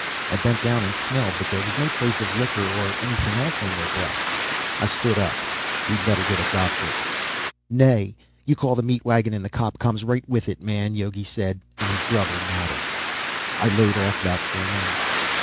I bent down and smelled, but there was no trace of liquor or anything else on their breath. I stood up. "We'd better get a doctor." "Nay. You call the meat wagon, and a cop comes right with it, man," Yogi said, and his brother nodded. I laid off that for a moment.